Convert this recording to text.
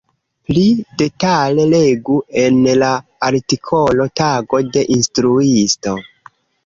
Pli detale legu en la artikolo Tago de instruisto.